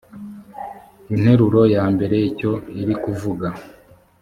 interuro ya mbere icyo irikuvuga